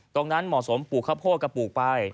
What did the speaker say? ตรงนั้นเหมาะสมปลูกข้าวโพดกระปลูกไป